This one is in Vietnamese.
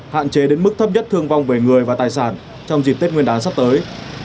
hạn chế đến mức thấp nhất thương vong về người và tài sản trong dịp tết nguyên đán sắp tới